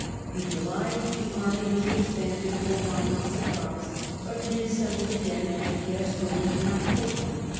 In July the army was dis banded for want of supplies, but reassembled again at Gerstungen in October.